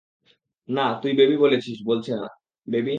না, তুই বেবি বলেছিস, বলেছে না, বেবি?